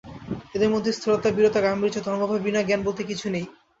এদের মধ্যে স্থিরতা, বীরতা, গাম্ভীর্য, ধর্মভয়, বিনয় জ্ঞান বলতে কিছু নেই।